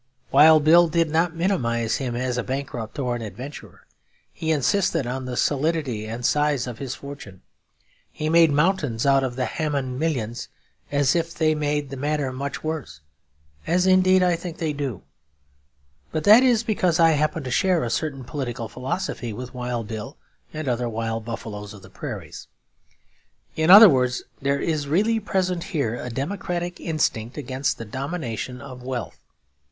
Wild Bill did not minimise him as a bankrupt or an adventurer; he insisted on the solidity and size of his fortune, he made mountains out of the 'Hamon millions,' as if they made the matter much worse; as indeed I think they do. But that is because I happen to share a certain political philosophy with Wild Bill and other wild buffaloes of the prairies. In other words, there is really present here a democratic instinct against the domination of wealth.